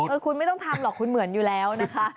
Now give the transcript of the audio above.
คุณไม่ต้องทำหรอกคุณเหมือนอยู่แล้วนะคะ